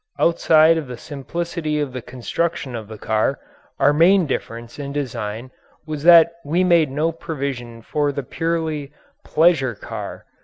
Outside of the simplicity of the construction of the car, our main difference in design was that we made no provision for the purely "pleasure car."